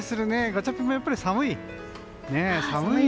ガチャピンもやっぱり寒い？